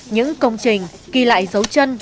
những công trình ghi lại dấu chân